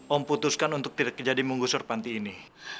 om putuskan untuk tidak menjadi menggusur panti ini